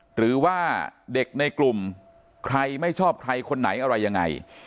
หรือว่าเด็กในกลุ่มใครไม่ชอบใครคนไหนอะไรยังไง